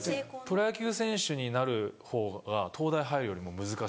プロ野球選手になる方が東大入るよりも難しいんです。